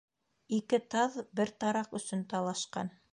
Ике таҙ бер тараҡ өсөн талашҡан.